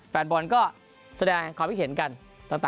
แฟนบอลก็แสดงความเห็นกันต่างขนาดนั้น